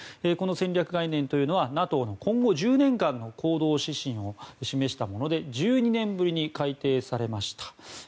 戦略概念というのはＮＡＴＯの今後１０年間の行動指針を示したもので１２年ぶりに改訂されました。